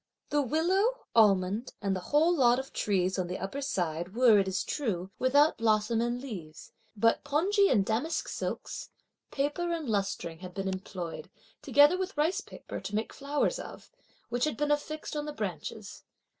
The willow, almond and the whole lot of trees, on the upper side, were, it is true, without blossom and leaves; but pongee and damask silks, paper and lustring had been employed, together with rice paper, to make flowers of, which had been affixed on the branches.